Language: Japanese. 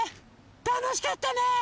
たのしかったね。